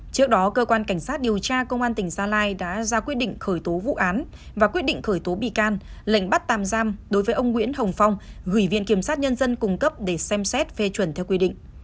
trước đó cơ quan cảnh sát điều tra công an tỉnh gia lai đã ra quyết định khởi tố vụ án và quyết định khởi tố bị can lệnh bắt tạm giam đối với ông nguyễn hồng phong gửi viện kiểm sát nhân dân cung cấp để xem xét phê chuẩn theo quy định